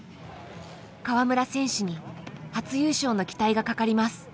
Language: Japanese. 川村選手に初優勝の期待がかかります。